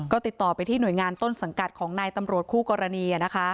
ก็ติดต่อไปที่หน่วยงานต้นสังกัดของนายตำรวจคู่กรณี